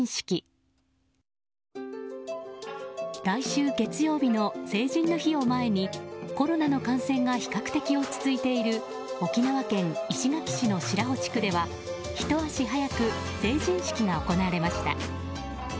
来週月曜日の成人の日を前にコロナの感染が比較的落ち着いている沖縄県石垣市の白保地区ではひと足早く成人式が行われました。